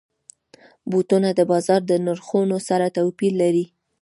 بوټونه د بازار د نرخونو سره توپیر لري.